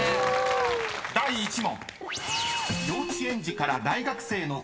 ［第１問］